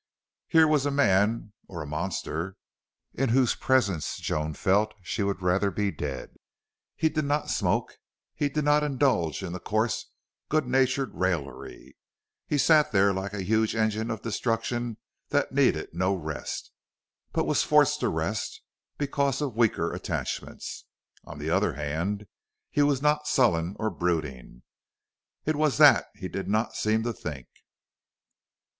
Here was a man or a monster in whose presence Joan felt that she would rather be dead. He did not smoke; he did not indulge in the coarse, good natured raillery, he sat there like a huge engine of destruction that needed no rest, but was forced to rest because of weaker attachments. On the other hand, he was not sullen or brooding. It was that he did not seem to think.